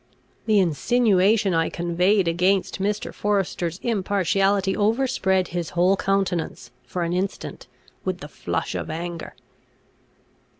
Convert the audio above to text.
The insinuation I conveyed against Mr. Forester's impartiality overspread his whole countenance, for an instant, with the flush of anger.